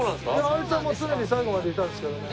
あいつは常に最後までいたんですけどね。